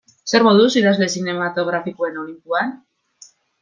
Zer moduz idazle zinematografikoen olinpoan?